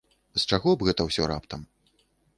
З чаго б гэта ўсё раптам?